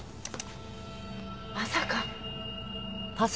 まさか。